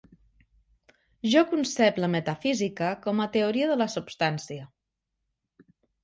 Jo concep la metafísica com a teoria de la substància.